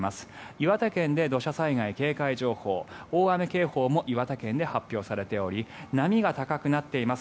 岩手県で土砂災害警戒情報大雨警報も岩手県で発表されており波が高くなっています。